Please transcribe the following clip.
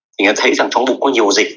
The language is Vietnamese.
thì người ta thấy rằng chống bụng có nhiều dịch